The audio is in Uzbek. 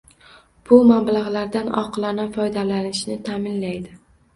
Bu mablag‘lardan oqilona foydalanishni ta’minlaydi.